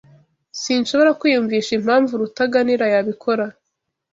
Sinshobora kwiyumvisha impamvu Rutaganira yabikora.